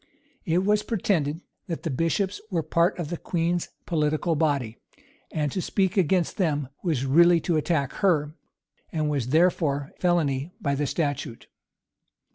It was pretended, that the bishops were part of the queen's political body; and to speak against them, was really to attack her, and was therefore felony by the statute.